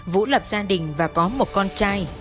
vũ lập gia đình và có một con trai